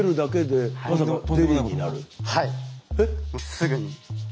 すぐに。